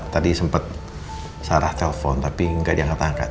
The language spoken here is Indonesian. tadi sempet sarah telepon tapi gak diangkat angkat